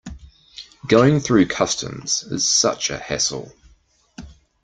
Going through customs is such a hassle.